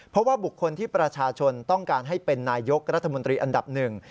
เพราะว่าบุคคลที่ประชาชนต้องการให้เป็นนายกรัฐมนตรีอันดับหนึ่ง